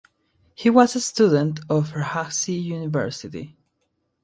He was student of Rajshahi University.